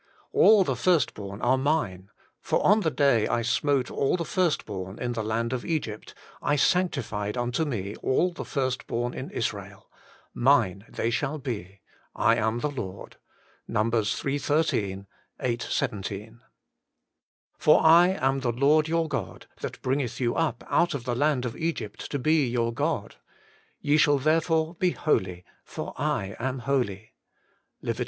'All the first born are mine; for on the day I smote all the first born in the land of Egypt / sanctified unto me all the first born in Israel : mine they shall be ; I am the Lord.' NUM. iii. 13, viii. 17. ' For I am the Lord your God that bringeth you up out of the land of Egypt to be your God : ye shall therefore be holy, for I am holy.' LEV. xi.